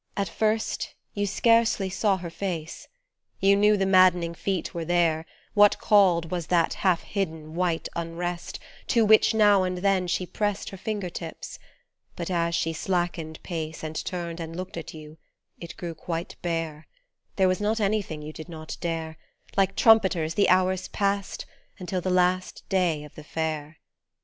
At first you scarcely saw her face, You knew the maddening feet were there, What called was that half hidden, white unrest To which now and then she pressed Her finger tips ; but as she slackened pace And turned and looked at you it grew quite bare : There was not anything you did not dare : Like trumpeters the hours passed until the last day of the Fair.